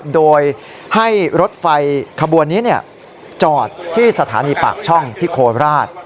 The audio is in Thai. โดยให้รถไฟขบวนนี้จอดที่สถานีปากช่องที่โคราช